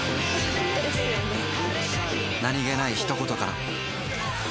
何気ない一言から